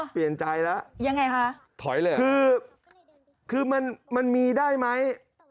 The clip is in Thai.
เปลี่ยนใจแล้วยังไงคะถอยเลยคือคือมันมันมีได้ไหม